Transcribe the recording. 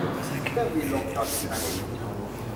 เครื่องบินลงจอดที่สนามบินอินชอน